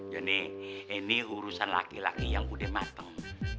joni ini urusan laki laki yang udah mateng